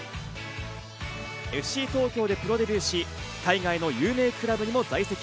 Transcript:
ＦＣ東京でプロデビューし、海外の有名クラブにも在籍。